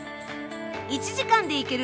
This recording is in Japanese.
１時間で行ける